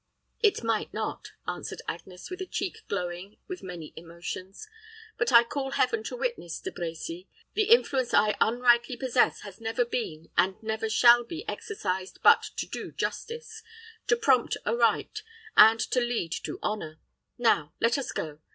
"It might not," answered Agnes, with a cheek glowing with many emotions. "But I call Heaven to witness, De Brecy, the influence I unrightly possess has never been, and never shall be exercised but to do justice, to prompt aright, and to lead to honor. Now let us go.